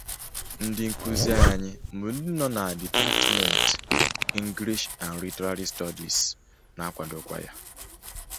Ndị omekome jere lie mgbọ ogbunigwe abụọ n’ogige ebe e mere maka ịkwụsị ọsọ